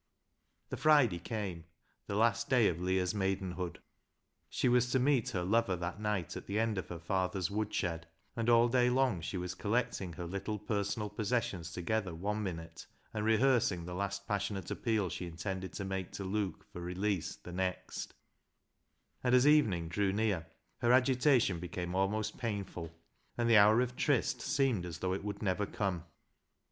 LEAH'S LOVER 95 The Friday came, the last day of Leah's maidenhood. She was to meet her lover that night at the end of her father's woodshed, and all day long she was collecting her little personal possessions together one minute, and rehearsing the last passionate appeal she intended to make to Luke for release the next ; and as evening drew near her agitation became almost painful, and the hour of tryst seemed as though it would never come.